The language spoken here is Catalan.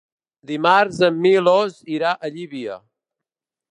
Dimarts en Milos irà a Llívia.